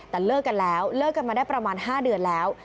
แต่เลิกกันแล้วเลิกกันมาได้ประมาณ๕เดือนแล้ว